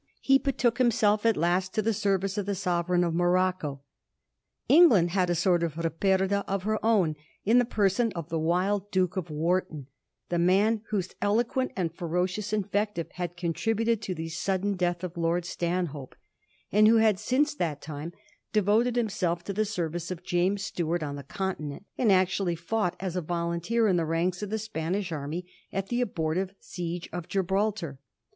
He betook himself at last to the service of the Sovereign of Morocco. England had a sort of Ripperda of her own in the person of the wild Duke of Wharton, the man whose eloquent and ferocious invective had contributed to the sudden death of Lord Stanhope, and who had since that time devoted himself to the service of James Stuart on the Continent, and actually fought as a volunteer in the ranks of the Spanish army at the abortive siege of Gibraltar.